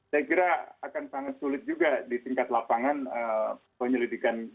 saya kira akan sangat sulit juga di tingkat lapangan penyelidikan